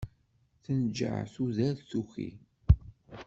Tenǧeɛ tudert tuki.